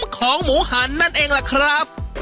ของหมูหันนั่นเองล่ะครับ